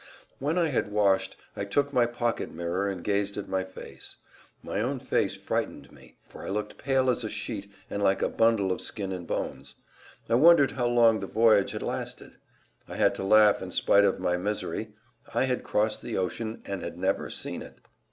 When I had washed I took my pocket mirror and gazed at my face. My own face frightened me; for I looked pale as a sheet and like a bundle of skin and bones. I wondered how long the voyage had lasted. I had to laugh in spite of my misery—I had crossed the ocean and had never seen it!